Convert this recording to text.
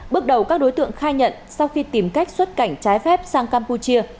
bước đầu các đối tượng khai nhận sau khi tìm cách xuất cảnh trái phép sang campuchia